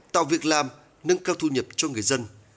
tạo việc làm nâng cao thu nhập cho người dân